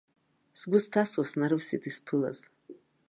Сгәы сҭасуа снарывсит исԥылаз.